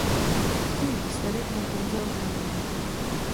Svůj výsledek mu pouze oznámí.